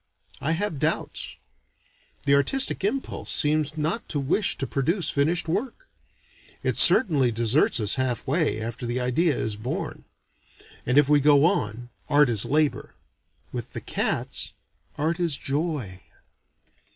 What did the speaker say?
I have doubts. The artistic impulse seems not to wish to produce finished work. It certainly deserts us half way, after the idea is born; and if we go on, art is labor. With the cats, art is joy.